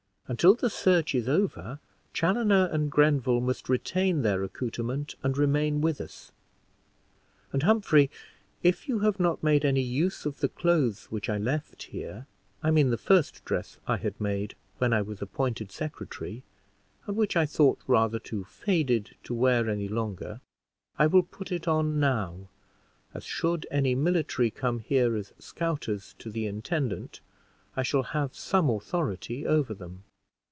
Until the search is over, Chaloner and Grenville must retain their accouterments and remain with us. And, Humphrey, if you have not made any use of the clothes which I left here I mean the first dress I had made when I was appointed secretary, and which I thought rather too faded to wear any longer I will put it on now, as should any military come here as scouters to the intendant, I shall have some authority over them."